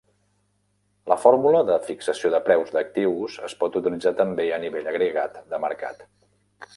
La fórmula de fixació de preus d'actius es pot utilitzar també a nivell agregat de mercat.